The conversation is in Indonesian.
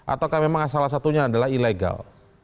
ataukah memang salah satunya adalah ilegal